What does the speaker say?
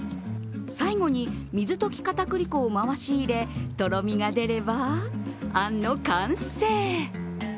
最後に水溶き片栗粉を回し入れ、とろみが出れば、あんの完成。